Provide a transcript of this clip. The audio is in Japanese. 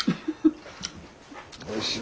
おいしい。